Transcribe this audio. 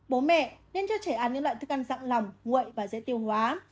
bố mẹ nên cho trẻ ăn những loại thức ăn dặn lỏng nguội và dễ tiêu hóa